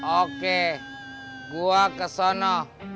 oke gua kesana